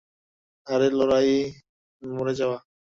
আরো লড়াই, মরে যাওয়া।